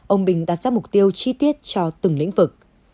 ông bình đặt ra mục tiêu chi tiết cho từng lĩnh vực